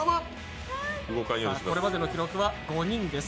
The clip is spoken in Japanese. これまでの記録は５人です。